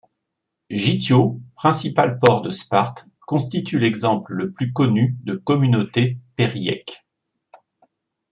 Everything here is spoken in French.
Gythio, principal port de Sparte constitue l'exemple le plus connu de communauté périèque.